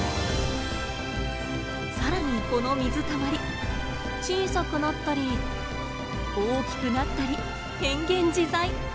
さらにこの水たまり小さくなったり大きくなったり変幻自在。